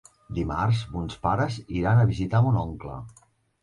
Dimarts mons pares iran a visitar mon oncle.